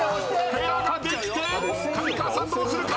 ペアができて上川さんどうするか！？